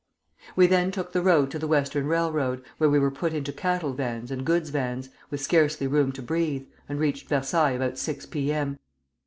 "We then took the road to the Western Railroad, where we were put into cattle vans and goods vans, with scarcely room to breathe, and reached Versailles about six P. M.